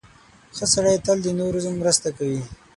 • ښه سړی تل د نورو مرسته کوي.